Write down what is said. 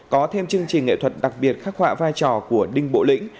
có thêm chương trình nghệ thuật đặc biệt khắc họa vai trò của đinh bộ lĩnh